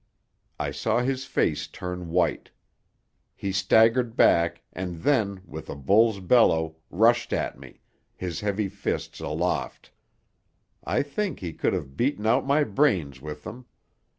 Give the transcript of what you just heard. I saw his face turn white. He staggered back, and then, with a bull's bellow, rushed at me, his heavy fists aloft. I think he could have beaten out my brains with them.